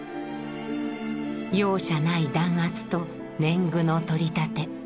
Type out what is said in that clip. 容赦ない弾圧と年貢の取り立て。